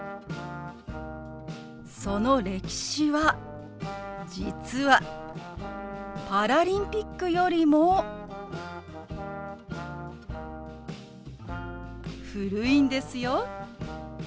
その歴史は実はパラリンピックよりも古いんですよ。